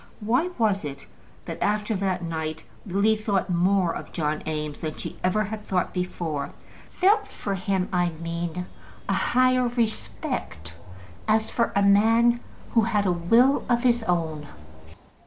Why was it, that after that night Lily thought more of John Eames than ever she had thought before; felt for him, I mean, a higher respect, as for a man who had a will of his own?